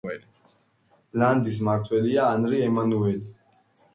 ლანდის მმართველია ანრი ემანუელი.